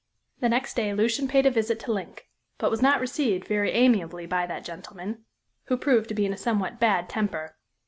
The next day Lucian paid a visit to Link, but was not received very amiably by that gentleman, who proved to be in a somewhat bad temper.